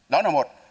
đó là một